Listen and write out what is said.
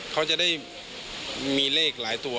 เขาจะได้มีเลขหลายตัว